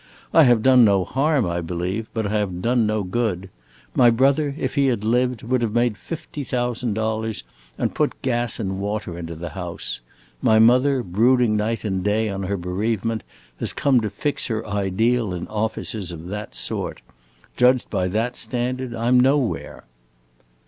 I have done no harm, I believe, but I have done no good. My brother, if he had lived, would have made fifty thousand dollars and put gas and water into the house. My mother, brooding night and day on her bereavement, has come to fix her ideal in offices of that sort. Judged by that standard I 'm nowhere!"